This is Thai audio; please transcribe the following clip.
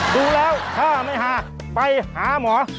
ดูแล้วถ้าไม่หาไปหาหมอ